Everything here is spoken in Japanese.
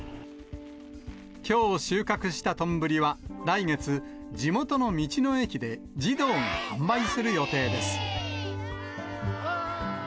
きょう収穫したとんぶりは、来月、地元の道の駅で児童が販売する予定です。